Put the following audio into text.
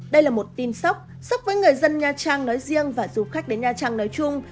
đây là một tin sóc sốc với người dân nha trang nói riêng và du khách đến nha trang nói chung